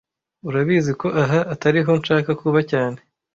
Urabizi ko aha atariho nshaka kuba cyane